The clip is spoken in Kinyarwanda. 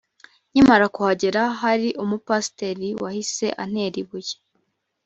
nkimara kuhagera hari umupasiteri wahise antera ibuye